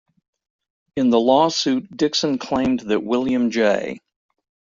In the lawsuit, Dickson claimed that William J.